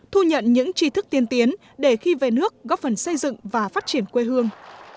thu nhận những tri thức tiên tiến để khi về nước góp phần xây dựng và phát triển quê hương